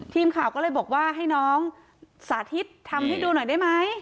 ทีมข่าวก็เลยบอกว่าให้น้องสาธิตทำให้ดูหน่อยได้ไหม